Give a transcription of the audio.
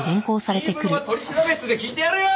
言い分は取調室で聞いてやるよ！